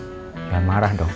jangan marah dong